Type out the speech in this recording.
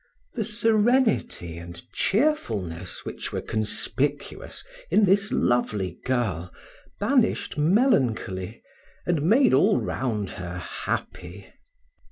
The serenity and cheerfulness which were conspicuous in this lovely girl, banished melancholy, and made all round her happy.